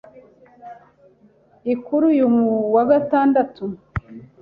i Kuri uyu wa Gatandatu